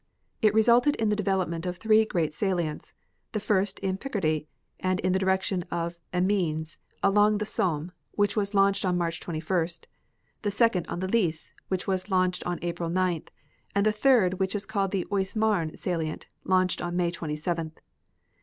It resulted in the development of three great salients, the first in Picardy and in the direction of Amiens along the Somme, which was launched on March 21st; the second on the Lys, which was launched on April 9th; and the third which is called the Oise Marne salient, launched on May 27th.